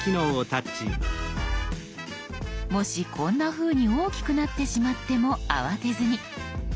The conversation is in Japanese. もしこんなふうに大きくなってしまっても慌てずに。